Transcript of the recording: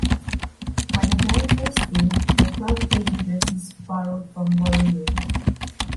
For the very first game the club played in jerseys borrowed from Boroughmuir.